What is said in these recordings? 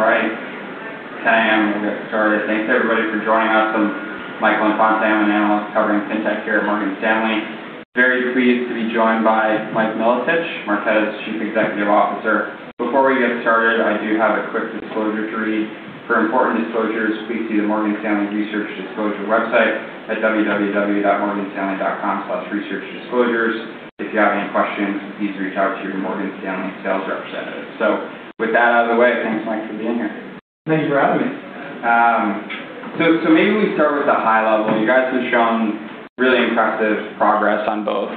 All right. Okay, I'm gonna get started. Thanks, everybody, for joining us. I'm Michael Infante. I'm an analyst covering Fintech here at Morgan Stanley. Very pleased to be joined by Mike Milotich, Marqeta's Chief Executive Officer. Before we get started, I do have a quick disclosure to read. For important disclosures, please see the Morgan Stanley Research Disclosure website at www.morganstanley.com/researchdisclosures. If you have any questions, please reach out to your Morgan Stanley sales representative. With that out of the way, thanks, Mike, for being here. Thank you for having me. Maybe we start with the high level. You guys have shown really impressive progress on both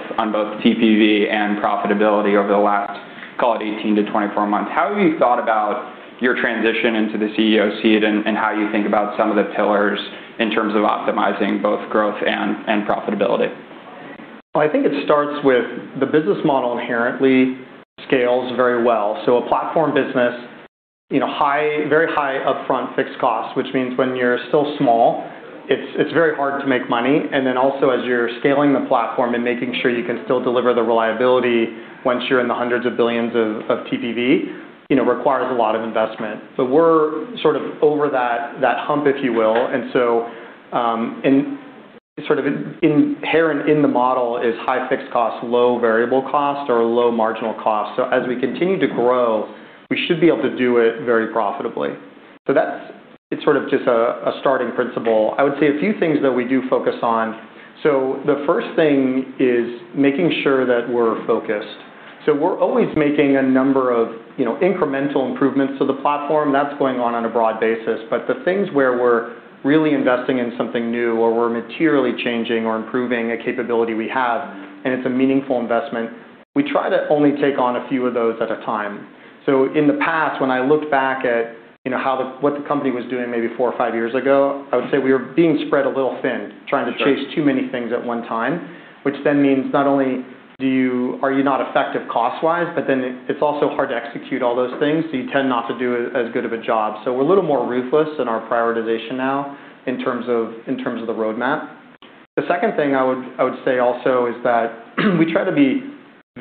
TPV and profitability over the last, call it 18-24 months. How have you thought about your transition into the CEO seat and how you think about some of the pillars in terms of optimizing both growth and profitability? I think it starts with the business model inherently scales very well. A platform business, you know, very high upfront fixed costs, which means when you're still small, it's very hard to make money. Also as you're scaling the platform and making sure you can still deliver the reliability once you're in the hundreds of billions of GMV, you know, requires a lot of investment. We're sort of over that hump, if you will. Sort of inherent in the model is high fixed cost, low variable cost or low marginal cost. As we continue to grow, we should be able to do it very profitably. It's sort of just a starting principle. I would say a few things that we do focus on. The first thing is making sure that we're focused. We're always making a number of, you know, incremental improvements to the platform that's going on on a broad basis. The things where we're really investing in something new or we're materially changing or improving a capability we have, and it's a meaningful investment, we try to only take on a few of those at a time. In the past, when I looked back at, you know, what the company was doing maybe four or five years ago, I would say we were being spread a little thin, trying to chase too many things at one time, which then means not only are you not effective cost-wise, but then it's also hard to execute all those things, so you tend not to do as good of a job. We're a little more ruthless in our prioritization now in terms of the roadmap. The second thing I would say also is that we try to be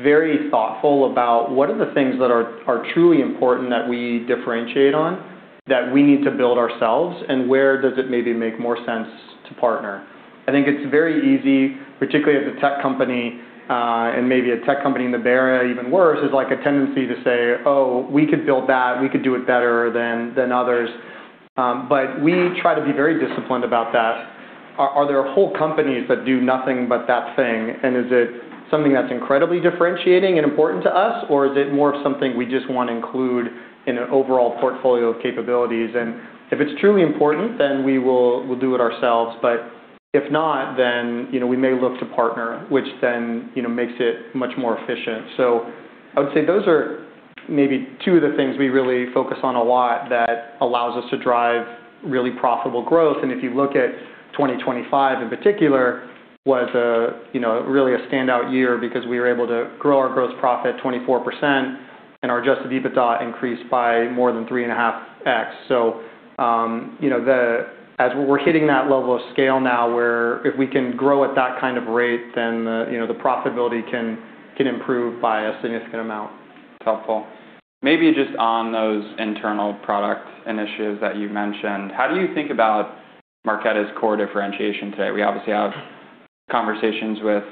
very thoughtful about what are the things that are truly important that we differentiate on, that we need to build ourselves, and where does it maybe make more sense to partner. I think it's very easy, particularly as a tech company, and maybe a tech company in the Bay Area even worse, is like a tendency to say, "Oh, we could build that. We could do it better than others." We try to be very disciplined about that. Are there whole companies that do nothing but that thing? Is it something that's incredibly differentiating and important to us, or is it more of something we just wanna include in an overall portfolio of capabilities? If it's truly important, then we will, we'll do it ourselves. If not, then, you know, we may look to partner, which then, you know, makes it much more efficient. I would say those are maybe two of the things we really focus on a lot that allows us to drive really profitable growth. If you look at 2025 in particular, was a, you know, really a standout year because we were able to grow our gross profit 24% and our adjusted EBITDA increased by more than 3.5x. You know, as we're hitting that level of scale now, where if we can grow at that kind of rate, then the, you know, the profitability can improve by a significant amount. It's helpful. Maybe just on those internal product initiatives that you mentioned, how do you think about Marqeta's core differentiation today? We obviously have conversations with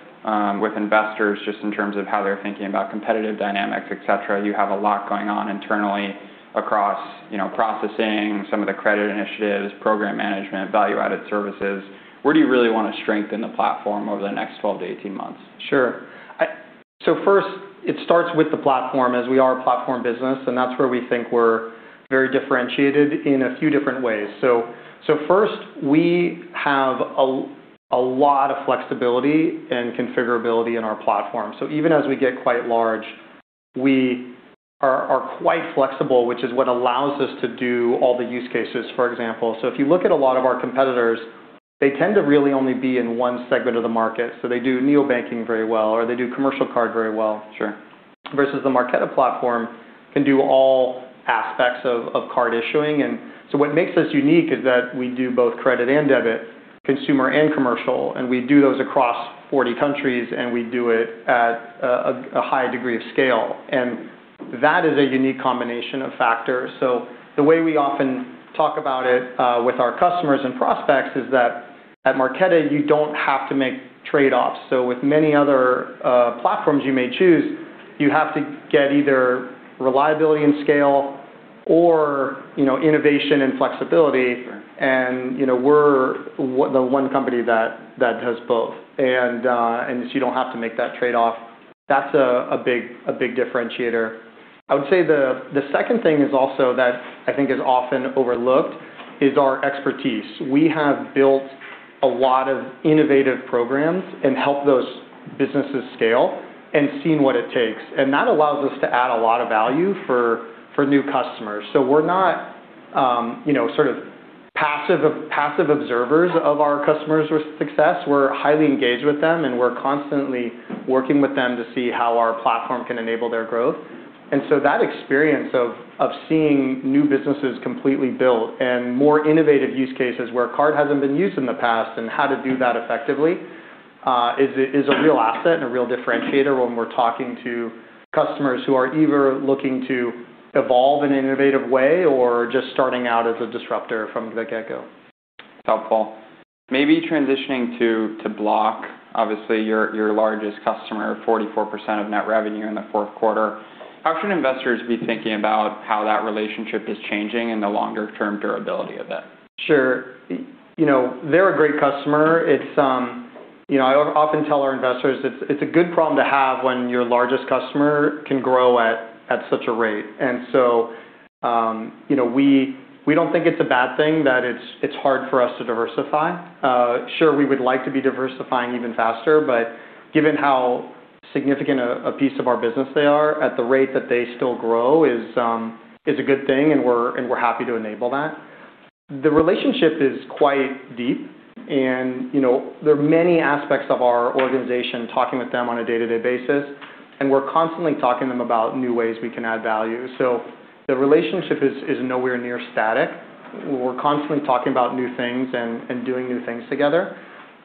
investors just in terms of how they're thinking about competitive dynamics, et cetera. You have a lot going on internally across, you know, processing some of the credit initiatives, program management, value-added services. Where do you really wanna strengthen the platform over the next 12 to 18 months? Sure. First, it starts with the platform as we are a platform business, and that's where we think we're very differentiated in a few different ways. First, we have a lot of flexibility and configurability in our platform. Even as we get quite large, we are quite flexible, which is what allows us to do all the use cases, for example. If you look at a lot of our competitors, they tend to really only be in one segment of the market. They do neobanking very well, or they do commercial card very well. Sure. Versus the Marqeta platform can do all aspects of card issuing. What makes us unique is that we do both credit and debit, consumer and commercial, and we do those across 40 countries, and we do it at a high degree of scale. That is a unique combination of factors. The way we often talk about it with our customers and prospects is that at Marqeta, you don't have to make trade-offs. With many other platforms you may choose, you have to get either reliability and scale or, you know, innovation and flexibility. Sure. You know, we're the one company that does both. You don't have to make that trade-off. That's a big differentiator. I would say the second thing is also that I think is often overlooked is our expertise. We have built a lot of innovative programs and helped those businesses scale and seen what it takes. That allows us to add a lot of value for new customers. We're not, you know, sort of passive observers of our customers' success. We're highly engaged with them, and we're constantly working with them to see how our platform can enable their growth. That experience of seeing new businesses completely built and more innovative use cases where card hasn't been used in the past and how to do that effectively, is a real asset and a real differentiator when we're talking to customers who are either looking to evolve in an innovative way or just starting out as a disruptor from the get-go. Helpful. Maybe transitioning to Block. Obviously, your largest customer, 44% of net revenue in the fourth quarter. How should investors be thinking about how that relationship is changing and the longer term durability of it? Sure. You know, they're a great customer. It's, you know, I often tell our investors it's a good problem to have when your largest customer can grow at such a rate. You know, we don't think it's a bad thing that it's hard for us to diversify. Sure, we would like to be diversifying even faster, but given how significant a piece of our business they are at the rate that they still grow is a good thing, and we're happy to enable that. The relationship is quite deep and, you know, there are many aspects of our organization talking with them on a day-to-day basis, and we're constantly talking to them about new ways we can add value. The relationship is nowhere near static. We're constantly talking about new things and doing new things together.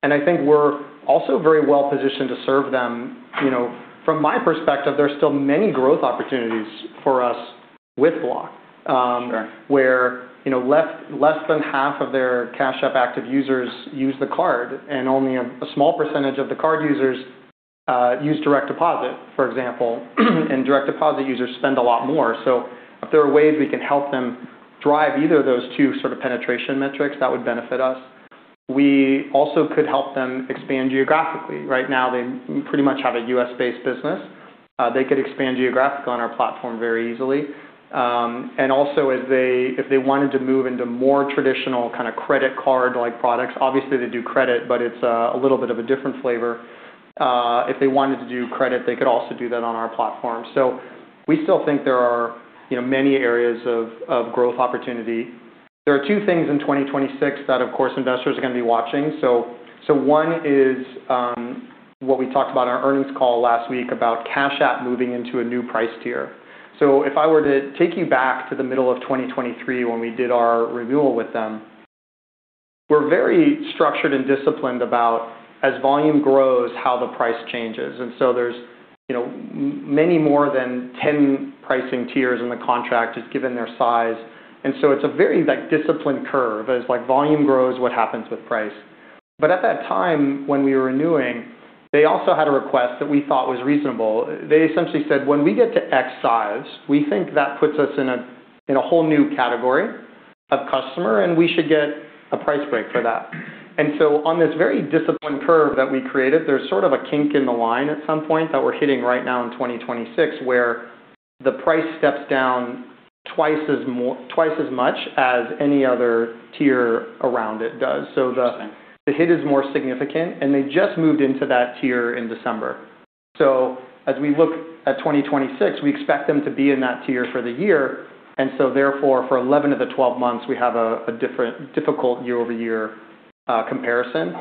I think we're also very well positioned to serve them. You know, from my perspective, there's still many growth opportunities for us with Block. Sure. Where, you know, less than half of their Cash App active users use the card, and only a small percentage of the card users use direct deposit, for example. Direct deposit users spend a lot more. If there are ways we can help them drive either of those two sort of penetration metrics, that would benefit us. We also could help them expand geographically. Right now, they pretty much have a U.S.-based business. They could expand geographically on our platform very easily. And also if they wanted to move into more traditional kinda credit card-like products, obviously they do credit, but it's a little bit of a different flavor. If they wanted to do credit, they could also do that on our platform. We still think there are, you know, many areas of growth opportunity. There are two things in 2026 that, of course, investors are gonna be watching. One is what we talked about in our earnings call last week about Cash App moving into a new price tier. If I were to take you back to the middle of 2023 when we did our renewal with them, we're very structured and disciplined about as volume grows, how the price changes. There's, you know, many more than 10 pricing tiers in the contract just given their size. It's a very, like, disciplined curve. As, like, volume grows, what happens with price? At that time, when we were renewing, they also had a request that we thought was reasonable. They essentially said, "When we get to X size, we think that puts us in a, in a whole new category of customer, and we should get a price break for that." On this very disciplined curve that we created, there's sort of a kink in the line at some point that we're hitting right now in 2026, where the price steps down twice as much as any other tier around it does. Interesting. The hit is more significant, and they just moved into that tier in December. As we look at 2026, we expect them to be in that tier for the year. Therefore, for 11 of the 12 months, we have a different difficult year-over-year comparison.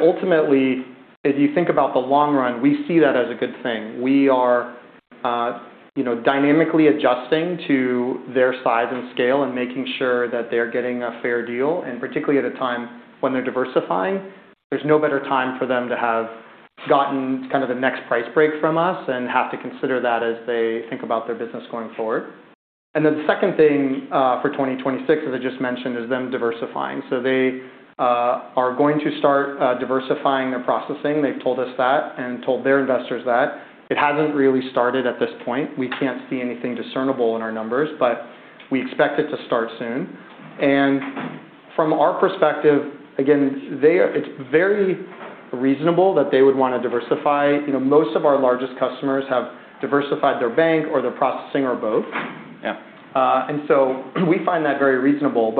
Ultimately, if you think about the long run, we see that as a good thing. We are, you know, dynamically adjusting to their size and scale and making sure that they're getting a fair deal. Particularly at a time when they're diversifying, there's no better time for them to have gotten kind of the next price break from us and have to consider that as they think about their business going forward. The second thing, for 2026, as I just mentioned, is them diversifying. They are going to start diversifying their processing. They've told us that and told their investors that. It hasn't really started at this point. We can't see anything discernible in our numbers, but we expect it to start soon. From our perspective, again, it's very reasonable that they would wanna diversify. You know, most of our largest customers have diversified their bank or their processing or both. Yeah. We find that very reasonable.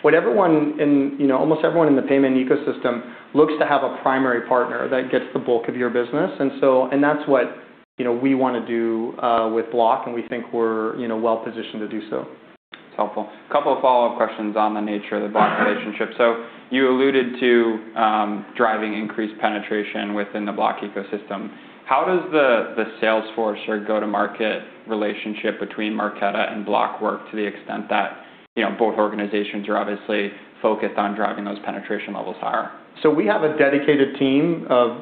What everyone in, you know, almost everyone in the payment ecosystem looks to have a primary partner that gets the bulk of your business. That's what, you know, we wanna do with Block, and we think we're, you know, well-positioned to do so. It's helpful. A couple of follow-up questions on the nature of the Block relationship. You alluded to, driving increased penetration within the Block ecosystem. How does the sales force or go-to-market relationship between Marqeta and Block work to the extent that, you know, both organizations are obviously focused on driving those penetration levels higher? We have a dedicated team of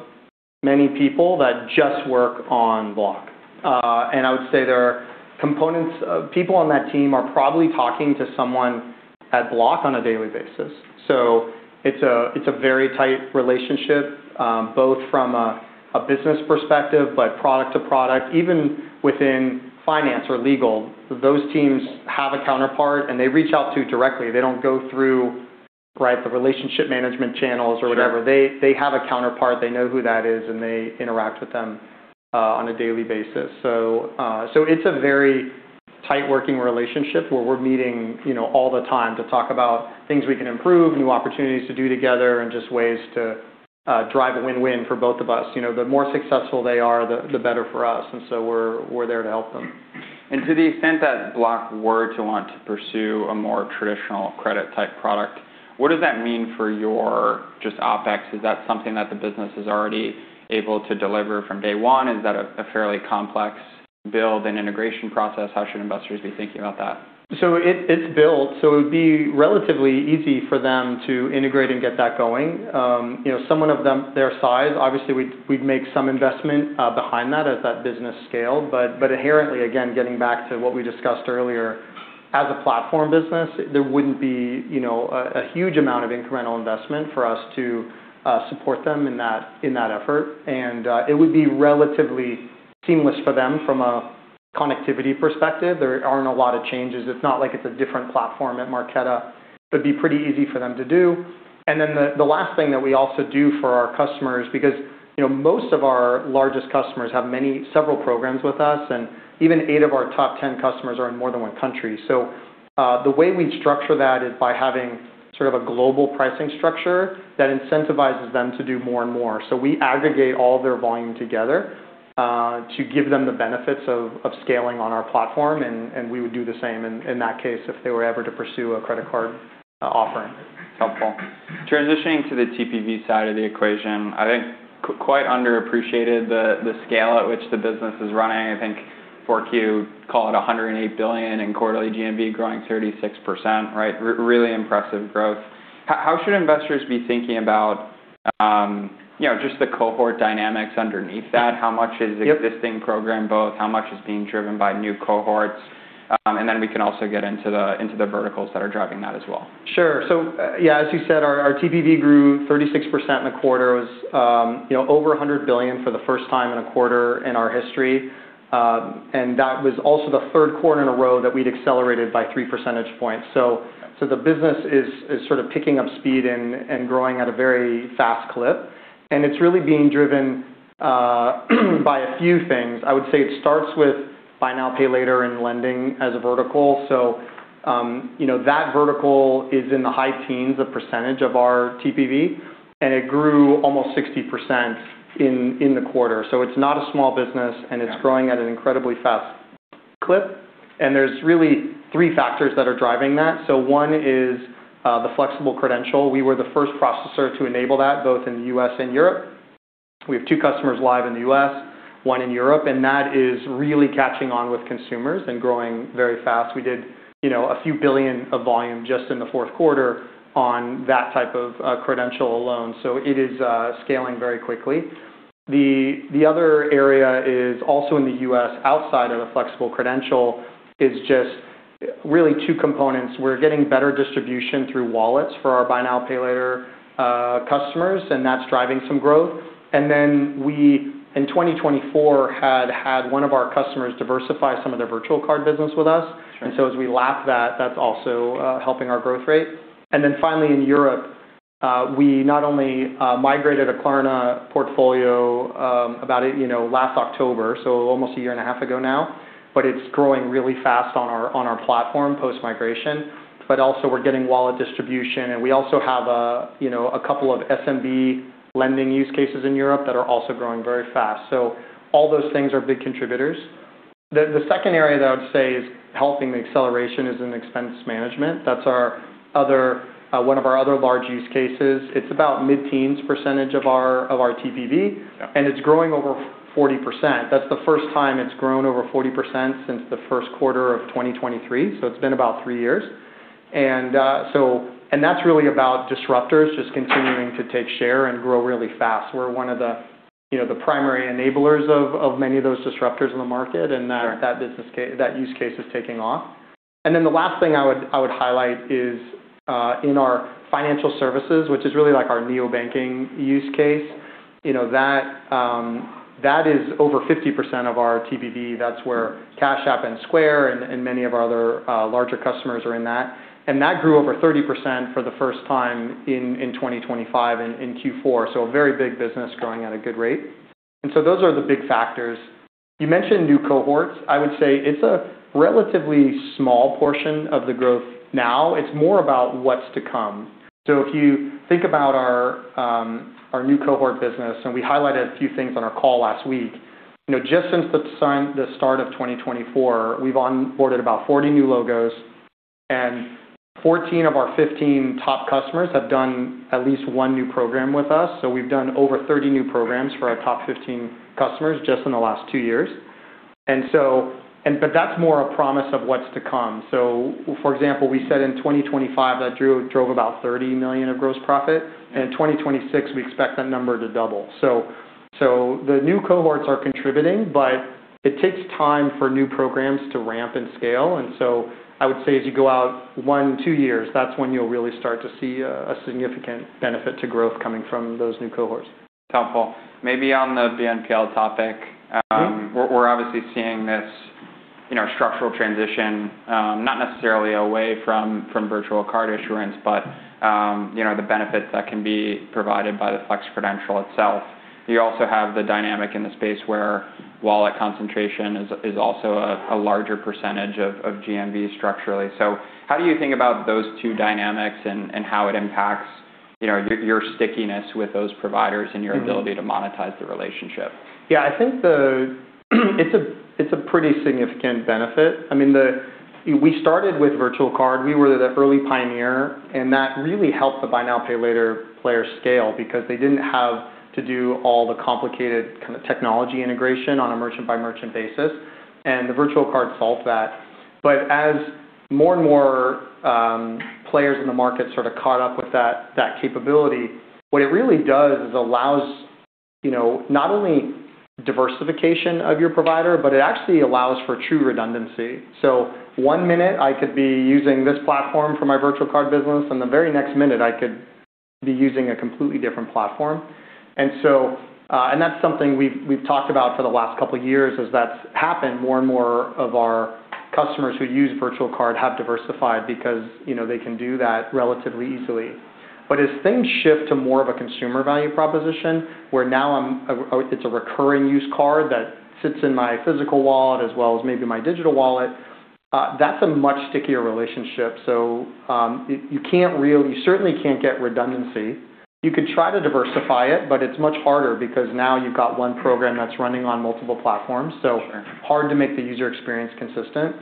many people that just work on Block. I would say there are people on that team are probably talking to someone at Block on a daily basis. It's a, it's a very tight relationship, both from a business perspective, but product to product. Even within finance or legal, those teams have a counterpart, and they reach out to directly. They don't go through, right, the relationship management channels or whatever. Sure. They have a counterpart. They know who that is, and they interact with them on a daily basis. It's a very tight working relationship where we're meeting, you know, all the time to talk about things we can improve, new opportunities to do together, and just ways to drive a win-win for both of us. You know, the more successful they are, the better for us. We're there to help them. To the extent that Block were to want to pursue a more traditional credit type product, what does that mean for your just OpEx? Is that something that the business is already able to deliver from day one? Is that a fairly complex build and integration process? How should investors be thinking about that? It's built, so it would be relatively easy for them to integrate and get that going. you know, someone of their size, obviously, we'd make some investment behind that as that business scaled. Inherently, again, getting back to what we discussed earlier. As a platform business, there wouldn't be, you know, a huge amount of incremental investment for us to support them in that effort. It would be relatively seamless for them from a connectivity perspective. There aren't a lot of changes. It's not like it's a different platform at Marqeta. It'd be pretty easy for them to do. The last thing that we also do for our customers, because, you know, most of our largest customers have several programs with us, and even eight of our top ten customers are in more than one country. The way we structure that is by having sort of a global pricing structure that incentivizes them to do more and more. We aggregate all their volume together to give them the benefits of scaling on our platform, and we would do the same in that case, if they were ever to pursue a credit card offering. Helpful. Transitioning to the TPV side of the equation, I think quite underappreciated the scale at which the business is running. I think 4Q, call it $108 billion in quarterly GMV growing 36%, right? really impressive growth. How should investors be thinking about, you know, just the cohort dynamics underneath that? How much is existing program both? How much is being driven by new cohorts? Then we can also get into the, into the verticals that are driving that as well. Sure. Yeah, as you said, our TPV grew 36% in the quarter. It was, you know, over $100 billion for the first time in a quarter in our history. That was also the third quarter in a row that we'd accelerated by 3 percentage points. The business is sort of picking up speed and growing at a very fast clip. It's really being driven by a few things. I would say it starts with buy now, pay later and lending as a vertical. You know, that vertical is in the high teens of percentage of our TPV, and it grew almost 60% in the quarter. It's not a small business and it's growing at an incredibly fast clip. There's really three factors that are driving that. One is the Flexible Credential. We were the first processor to enable that, both in the U.S. and Europe. We have two customers live in the U.S., one in Europe, and that is really catching on with consumers and growing very fast. We did, you know, a few billion of volume just in the fourth quarter on that type of credential alone. It is scaling very quickly. The other area is also in the U.S., outside of the Flexible Credential, is just really two components. We're getting better distribution through wallets for our buy now, pay later customers, and that's driving some growth. Then we, in 2024, had one of our customers diversify some of their virtual card business with us. Sure. As we lap that's also helping our growth rate. Finally, in Europe, we not only migrated a Klarna portfolio, about, you know, last October, so almost a year and a half ago now, but it's growing really fast on our, on our platform post-migration. Also we're getting wallet distribution, and we also have, you know, a couple of SMB lending use cases in Europe that are also growing very fast. All those things are big contributors. The second area that I would say is helping the acceleration is in expense management. That's one of our other large use cases. It's about mid-10s% of our, of our TPV. Yeah. It's growing over 40%. That's the first time it's grown over 40% since the first quarter of 2023, so it's been about three years. That's really about disruptors just continuing to take share and grow really fast. We're one of the, you know, the primary enablers of many of those disruptors in the market, and that use case is taking off. The last thing I would highlight is, in our financial services, which is really like our neobanking use case. You know, that is over 50% of our TPV. That's where Cash App and Square and many of our other larger customers are in that. That grew over 30% for the first time in 2025 in Q4. A very big business growing at a good rate. Those are the big factors. You mentioned new cohorts. I would say it's a relatively small portion of the growth now. It's more about what's to come. If you think about our new cohort business, and we highlighted a few things on our call last week. You know, just since the start of 2024, we've onboarded about 40 new logos. 14 of our 15 top customers have done at least one new program with us. We've done over 30 new programs for our top 15 customers just in the last two years. That's more a promise of what's to come. For example, we said in 2025 that drove about $30 million of gross profit. In 2026, we expect that number to double. The new cohorts are contributing, but it takes time for new programs to ramp and scale. I would say as you go out one, two years, that's when you'll really start to see a significant benefit to growth coming from those new cohorts. Helpful. Maybe on the BNPL topic. We're obviously seeing this, you know, structural transition, not necessarily away from virtual card issuance, but, you know, the benefits that can be provided by the flex credential itself. You also have the dynamic in the space where wallet concentration is also a larger percentage of GMV structurally. How do you think about those two dynamics and how it impacts, you know, your stickiness with those providers and your ability to monetize the relationship? Yeah. I think it's a pretty significant benefit. I mean, we started with virtual card. We were the early pioneer, and that really helped the buy now, pay later player scale because they didn't have to do all the complicated kind of technology integration on a merchant-by-merchant basis. The virtual card solved that. As more and more players in the market sort of caught up with that capability, what it really does is allows, you know, not only diversification of your provider, but it actually allows for true redundancy. One minute I could be using this platform for my virtual card business, and the very next minute I could be using a completely different platform. That's something we've talked about for the last couple of years as that's happened, more and more of our customers who use virtual card have diversified because, you know, they can do that relatively easily. As things shift to more of a consumer value proposition, where now it's a recurring use card that sits in my physical wallet as well as maybe my digital wallet, that's a much stickier relationship. You certainly can't get redundancy. You could try to diversify it, but it's much harder because now you've got one program that's running on multiple platforms. Hard to make the user experience consistent.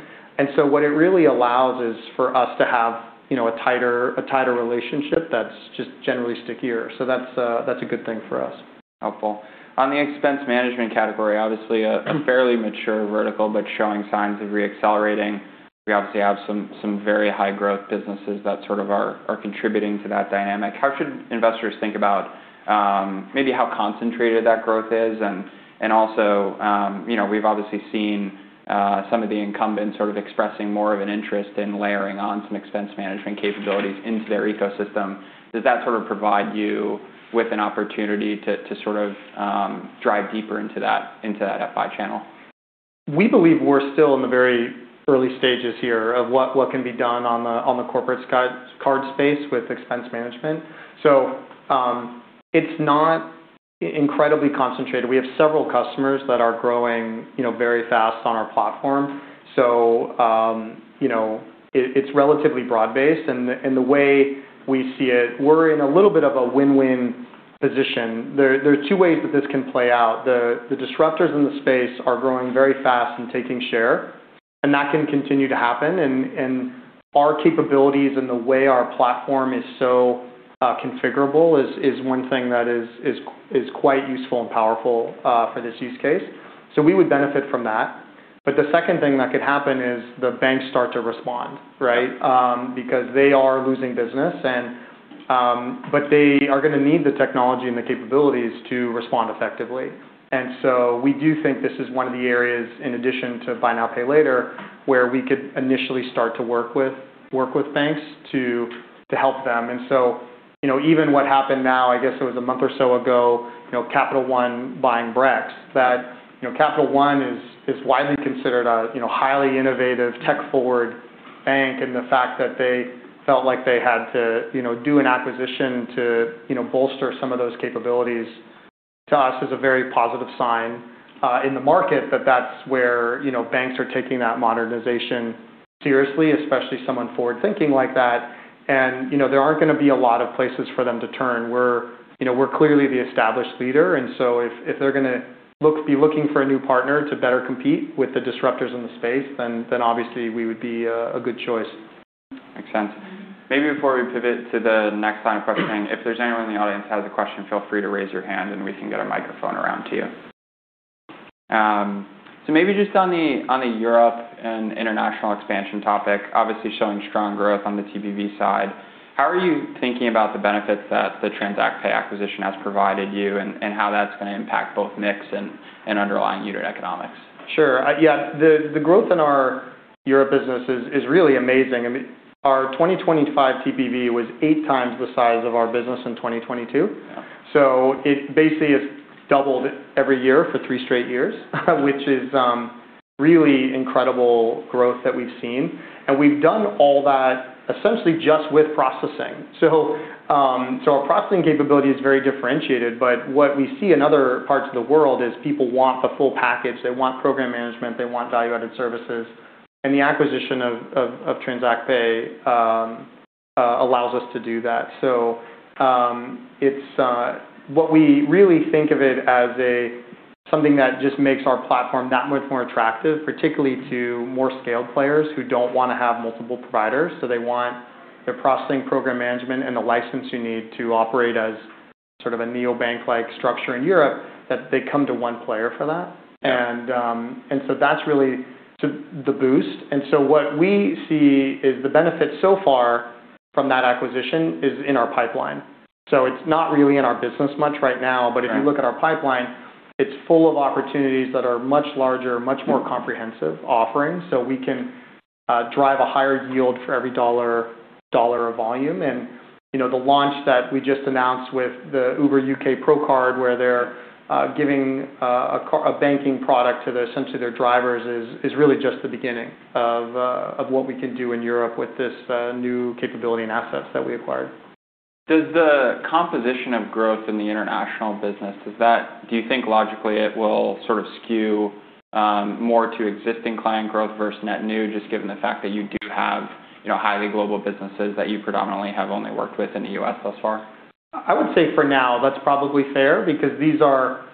What it really allows is for us to have, you know, a tighter relationship that's just generally stickier. That's a good thing for us. Helpful. On the expense management category, obviously a fairly mature vertical, but showing signs of re-accelerating. We obviously have some very high growth businesses that sort of are contributing to that dynamic. How should investors think about maybe how concentrated that growth is? Also, you know, we've obviously seen some of the incumbents sort of expressing more of an interest in layering on some expense management capabilities into their ecosystem. Does that sort of provide you with an opportunity to sort of drive deeper into that FI channel? We believe we're still in the very early stages here of what can be done on the corporate card space with expense management. It's not incredibly concentrated. We have several customers that are growing, you know, very fast on our platform. You know, it's relatively broad-based, and the way we see it, we're in a little bit of a win-win position. There are two ways that this can play out. The disruptors in the space are growing very fast and taking share, that can continue to happen. Our capabilities and the way our platform is so configurable is one thing that is quite useful and powerful for this use case. We would benefit from that. The second thing that could happen is the banks start to respond, right? Because they are losing business and, but they are gonna need the technology and the capabilities to respond effectively. We do think this is one of the areas, in addition to buy now, pay later, where we could initially start to work with, work with banks to help them. You know, even what happened now, I guess it was one month or so ago, you know, Capital One buying Brex, that, you know, Capital One is widely considered a, you know, highly innovative tech-forward bank. The fact that they felt like they had to, you know, do an acquisition to, you know, bolster some of those capabilities to us is a very positive sign in the market that that's where, you know, banks are taking that modernization seriously, especially someone forward-thinking like that. You know, there aren't gonna be a lot of places for them to turn. We're, you know, we're clearly the established leader. If they're gonna be looking for a new partner to better compete with the disruptors in the space, then obviously we would be a good choice. Makes sense. Maybe before we pivot to the next line of questioning, if there's anyone in the audience has a question, feel free to raise your hand and we can get a microphone around to you. Maybe just on the, on the Europe and international expansion topic, obviously showing strong growth on the TPV side. How are you thinking about the benefits that the TransactPay acquisition has provided you and how that's gonna impact both mix and underlying unit economics? Sure. Yeah. The growth in our Europe business is really amazing. I mean, our 2025 TPV was eight times the size of our business in 2022. Yeah. It basically has doubled every year for three straight years, which is really incredible growth that we've seen. We've done all that essentially just with processing. Our processing capability is very differentiated, but what we see in other parts of the world is people want the full package. They want program management. They want value-added services. The acquisition of TransactPay allows us to do that. It's what we really think of it as something that just makes our platform that much more attractive, particularly to more scaled players who don't wanna have multiple providers. They want their processing program management and the licensing you need to operate as sort of a neobank like structure in Europe, that they come to one player for that. That's really the boost. What we see is the benefit so far from that acquisition is in our pipeline. It's not really in our business much right now. If you look at our pipeline, it's full of opportunities that are much larger, much more comprehensive offerings. We can drive a higher yield for every dollar of volume. You know, the launch that we just announced with the Uber UK Pro Card, where they're giving a banking product to essentially their drivers is really just the beginning of what we can do in Europe with this new capability and assets that we acquired. Does the composition of growth in the international business, do you think logically it will sort of skew more to existing client growth versus net new, just given the fact that you do have, you know, highly global businesses that you predominantly have only worked with in the U.S. thus far? I would say for now that's probably fair because these are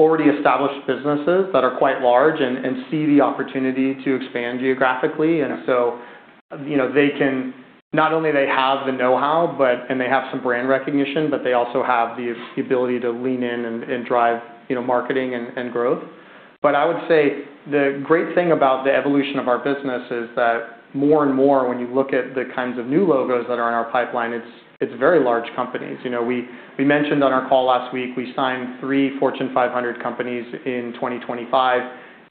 already established businesses that are quite large and see the opportunity to expand geographically. Okay. You know, not only they have the know-how, and they have some brand recognition, but they also have the ability to lean in and drive, you know, marketing and growth. I would say the great thing about the evolution of our business is that more and more when you look at the kinds of new logos that are in our pipeline, it's very large companies. You know, we mentioned on our call last week, we signed three Fortune 500 companies in 2025,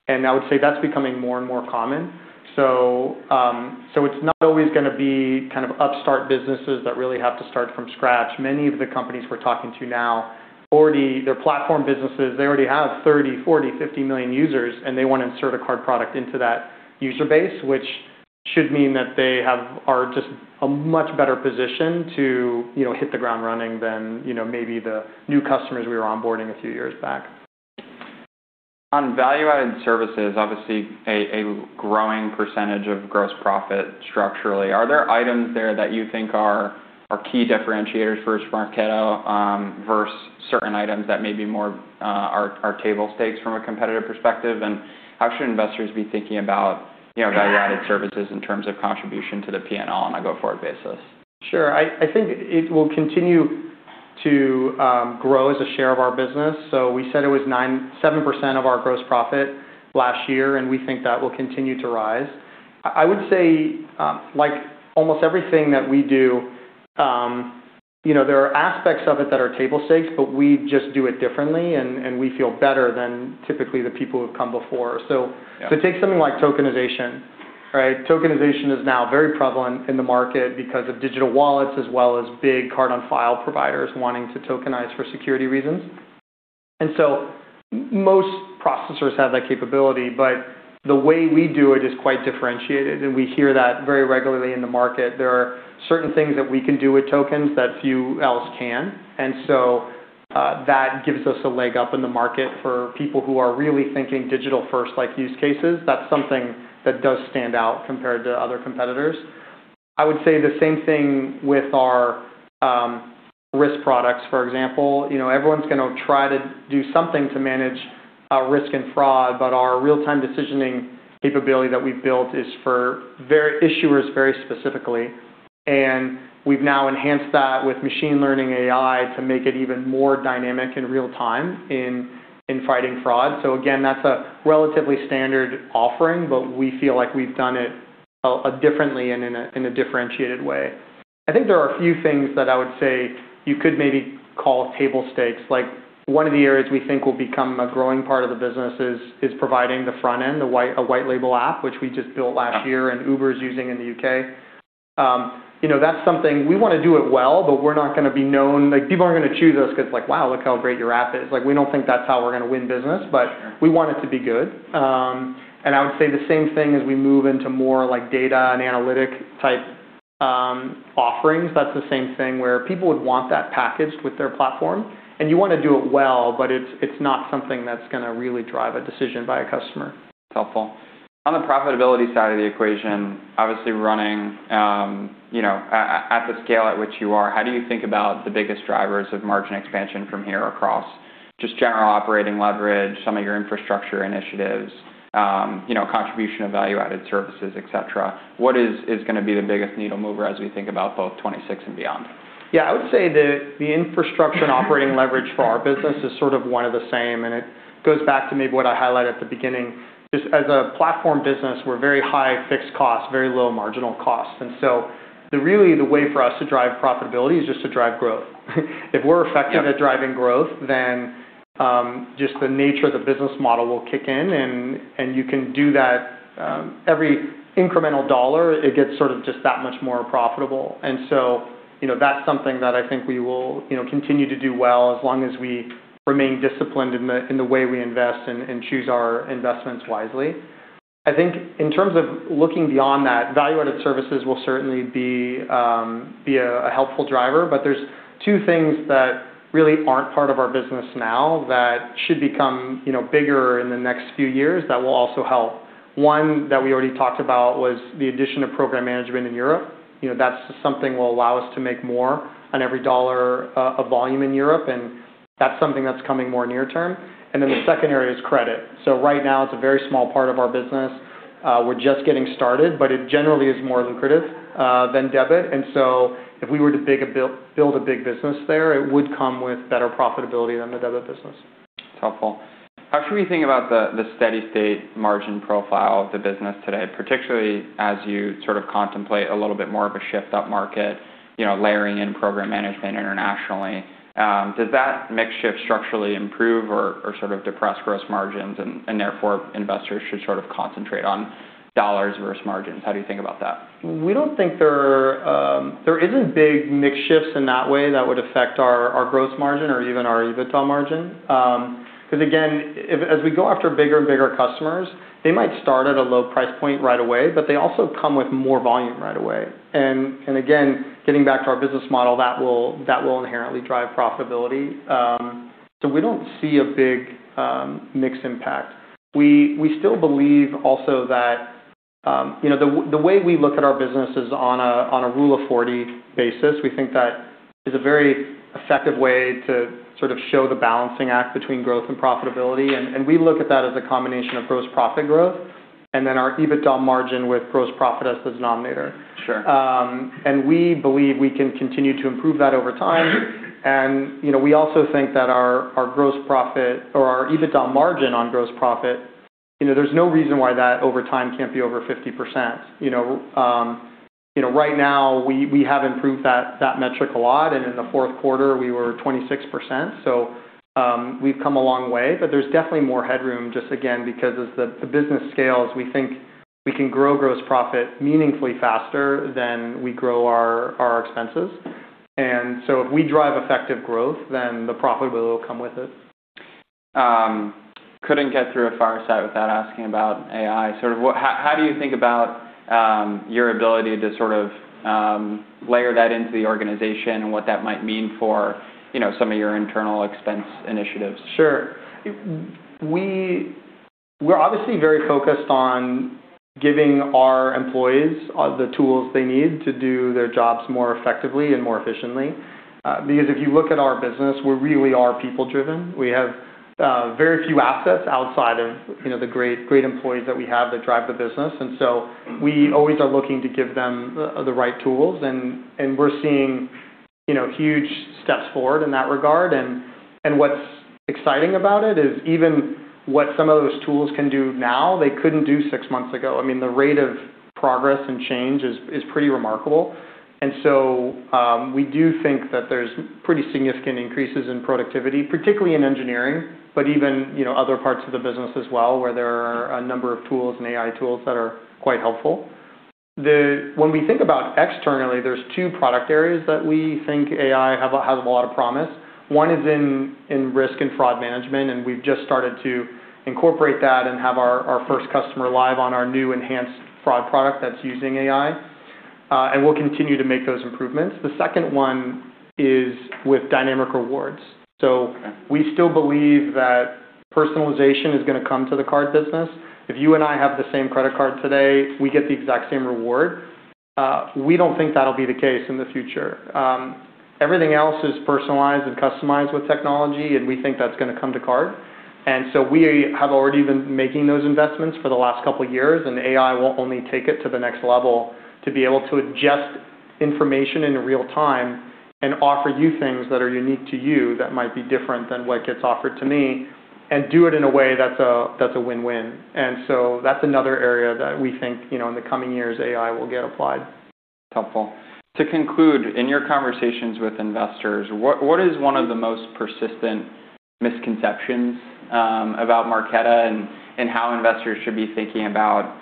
and I would say that's becoming more and more common. It's not always gonna be kind of upstart businesses that really have to start from scratch. Many of the companies we're talking to now already, they're platform businesses. They already have 30, 40, 50 million users, and they wanna insert a card product into that user base, which should mean that they are just a much better position to, you know, hit the ground running than, you know, maybe the new customers we were onboarding a few years back. On value-added services, obviously a growing percentage of gross profit structurally. Are there items there that you think are key differentiators versus Marqeta versus certain items that may be more are table stakes from a competitive perspective? How should investors be thinking about, you know, value-added services in terms of contribution to the P&L on a go-forward basis? Sure. I think it will continue to grow as a share of our business. We said it was 7% of our gross profit last year, and we think that will continue to rise. I would say, like almost everything that we do, you know, there are aspects of it that are table stakes, but we just do it differently and we feel better than typically the people who have come before. To take something like tokenization, right? Tokenization is now very prevalent in the market because of digital wallets as well as big card on file providers wanting to tokenize for security reasons. Most processors have that capability, but the way we do it is quite differentiated, and we hear that very regularly in the market. There are certain things that we can do with tokens that few else can. That gives us a leg up in the market for people who are really thinking digital-first like use cases. That's something that does stand out compared to other competitors. I would say the same thing with our risk products, for example. You know, everyone's gonna try to do something to manage risk and fraud, but our real-time decisioning capability that we've built is for issuers very specifically. We've now enhanced that with machine learning AI to make it even more dynamic in real time in fighting fraud. Again, that's a relatively standard offering, but we feel like we've done it differently and in a differentiated way. I think there are a few things that I would say you could maybe call table stakes. Like, one of the areas we think will become a growing part of the business is providing the front end, a white label app, which we just built last year and Uber is using in the U.K. You know, that's something we wanna do it well, but we're not gonna be known. Like, people aren't gonna choose us 'cause like, "Wow, look how great your app is." Like, we don't think that's how we're gonna win business, but we want it to be good. I would say the same thing as we move into more like data and analytic type offerings. That's the same thing where people would want that packaged with their platform, and you wanna do it well, but it's not something that's gonna really drive a decision by a customer. It's helpful. On the profitability side of the equation, obviously running, you know, at the scale at which you are, how do you think about the biggest drivers of margin expansion from here across just general operating leverage, some of your infrastructure initiatives, you know, contribution of value-added services, et cetera? What is gonna be the biggest needle mover as we think about both 2026 and beyond? Yeah. I would say the infrastructure and operating leverage for our business is sort of one and the same, and it goes back to maybe what I highlighted at the beginning. Just as a platform business, we're very high fixed cost, very low marginal cost. Really the way for us to drive profitability is just to drive growth. If we're effective. Yeah. At driving growth, then, just the nature of the business model will kick in and you can do that, every incremental dollar, it gets sort of just that much more profitable. You know, that's something that I think we will, you know, continue to do well as long as we remain disciplined in the way we invest and choose our investments wisely. I think in terms of looking beyond that, value-added services will certainly be a helpful driver. There's two things that really aren't part of our business now that should become, you know, bigger in the next few years that will also help. One that we already talked about was the addition of program management in Europe. You know, that's something will allow us to make more on every dollar, of volume in Europe, and that's something that's coming more near term. The second area is credit. Right now it's a very small part of our business. We're just getting started, but it generally is more lucrative than debit. If we were to build a big business there, it would come with better profitability than the debit business. It's helpful. How should we think about the steady-state margin profile of the business today, particularly as you sort of contemplate a little bit more of a shift upmarket, you know, layering in Program management internationally? Does that mix shift structurally improve or sort of depress gross margins and therefore investors should sort of concentrate on dollars versus margins? How do you think about that? We don't think there isn't big mix shifts in that way that would affect our gross margin or even our EBITDA margin. 'Cause again, as we go after bigger and bigger customers, they might start at a low price point right away, but they also come with more volume right away. Again, getting back to our business model, that will inherently drive profitability. So we don't see a big mix impact. We still believe also that, you know, the way we look at our business is on a Rule of 40 basis. We think that is a very effective way to sort of show the balancing act between growth and profitability, and we look at that as a combination of gross profit growth, and then our EBITDA margin with gross profit as the denominator. Sure. We believe we can continue to improve that over time. You know, we also think that our gross profit or our EBITDA margin on gross profit, you know, there's no reason why that over time can't be over 50%. You know, you know, right now we have improved that metric a lot. In the fourth quarter, we were 26%. We've come a long way. There's definitely more headroom just again, because as the business scales, we think we can grow gross profit meaningfully faster than we grow our expenses. If we drive effective growth, then the profitability will come with it. Couldn't get through a fireside without asking about AI. How do you think about your ability to sort of layer that into the organization and what that might mean for, you know, some of your internal expense initiatives? Sure. We're obviously very focused on giving our employees, the tools they need to do their jobs more effectively and more efficiently. Because if you look at our business, we really are people-driven. We have, very few assets outside of, you know, the great employees that we have that drive the business. We always are looking to give them the right tools, and we're seeing, you know, huge steps forward in that regard. What's exciting about it is even what some of those tools can do now, they couldn't do six months ago. I mean, the rate of progress and change is pretty remarkable. We do think that there's pretty significant increases in productivity, particularly in engineering, but even, you know, other parts of the business as well, where there are a number of tools and AI tools that are quite helpful. When we think about externally, there's two product areas that we think AI has a lot of promise. One is in risk and fraud management, and we've just started to incorporate that and have our first customer live on our new enhanced fraud product that's using AI. We'll continue to make those improvements. The second one is with dynamic rewards. We still believe that personalization is gonna come to the card business. If you and I have the same credit card today, we get the exact same reward. We don't think that'll be the case in the future. Everything else is personalized and customized with technology, and we think that's gonna come to card. We have already been making those investments for the last couple years, and AI will only take it to the next level to be able to adjust information in real-time and offer you things that are unique to you that might be different than what gets offered to me and do it in a way that's a win-win. That's another area that we think, you know, in the coming years, AI will get applied. Helpful. To conclude, in your conversations with investors, what is one of the most persistent misconceptions about Marqeta and how investors should be thinking about,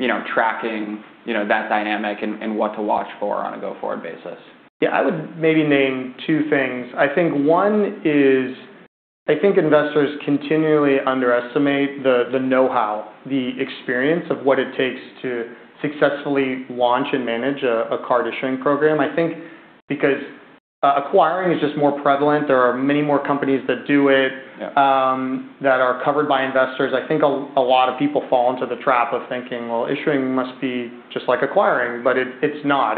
you know, tracking, you know, that dynamic and what to watch for on a go-forward basis? Yeah. I would maybe name two things. I think one is, I think investors continually underestimate the know-how, the experience of what it takes to successfully launch and manage a card issuing program. I think because acquiring is just more prevalent. There are many more companies that do it. Yeah. That are covered by investors. I think a lot of people fall into the trap of thinking, "Well, issuing must be just like acquiring." It's not.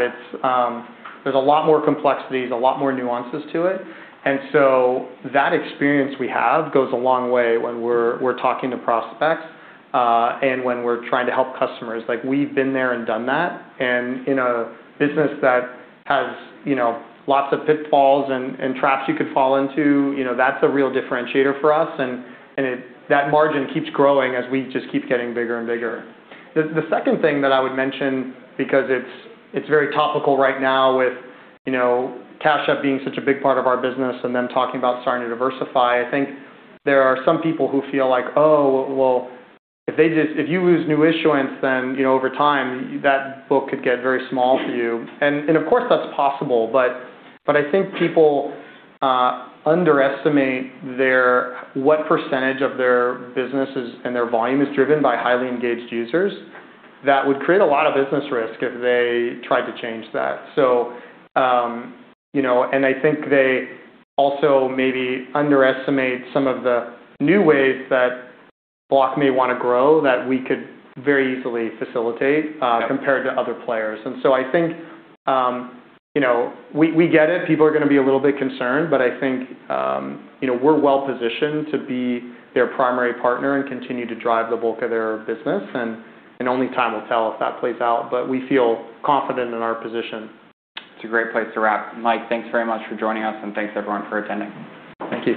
There's a lot more complexities, a lot more nuances to it. That experience we have goes a long way when we're talking to prospects, and when we're trying to help customers. Like, we've been there and done that. In a business that has, you know, lots of pitfalls and traps you could fall into, you know, that's a real differentiator for us. That margin keeps growing as we just keep getting bigger and bigger. The second thing that I would mention because it's very topical right now with, you know, Cash App being such a big part of our business and then talking about starting to diversify, I think there are some people who feel like, "Oh, well, if you lose new issuance, then, you know, over time, that book could get very small to you." Of course, that's possible, but I think people underestimate their what percentage of their business is, and their volume is driven by highly engaged users. That would create a lot of business risk if they tried to change that. I think they also maybe underestimate some of the new ways that Block may want to grow that we could very easily facilitate compared to other players. I think, you know, we get it. People are gonna be a little bit concerned, but I think, you know, we're well-positioned to be their primary partner and continue to drive the bulk of their business. Only time will tell if that plays out, but we feel confident in our position. It's a great place to wrap. Mike, thanks very much for joining us, and thanks everyone for attending. Thank you.